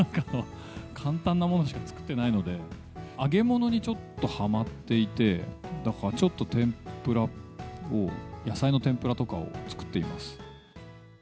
簡単なものしか作ってないので、揚げ物にちょっとはまっていて、だからちょっと天ぷらを、野菜の天ぷらとかを作っています。